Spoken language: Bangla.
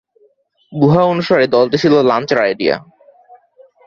গুহা অনুসারে, দলটি ছিল লাঞ্চের আইডিয়া।